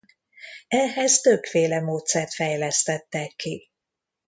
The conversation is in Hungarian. Ehhez többféle módszert fejlesztettek ki.